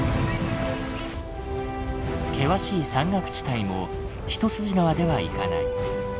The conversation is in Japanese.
険しい山岳地帯も一筋縄ではいかない。